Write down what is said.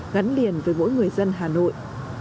gắn liền với mỗi người dân hà nội